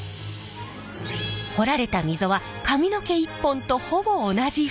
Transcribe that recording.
彫られた溝は髪の毛一本とほぼ同じ太さ。